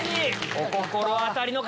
お心当たりの方！